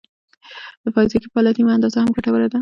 د فزیکي فعالیت نیمه اندازه هم ګټوره ده.